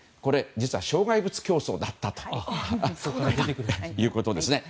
実は障害物競走だったということですね。